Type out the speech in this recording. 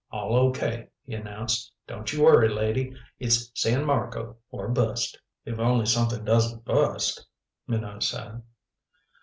"All O.K." he announced. "Don't you worry, lady. It's San Marco or bust." "If only something doesn't bust," Minot said.